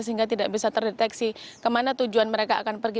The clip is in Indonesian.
sehingga tidak bisa terdeteksi kemana tujuan mereka akan pergi